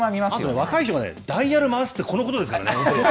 若い人がダイヤル回すって、このことですからね。